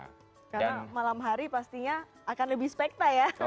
karena malam hari pastinya akan lebih spekta ya